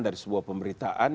dari sebuah pemberitaan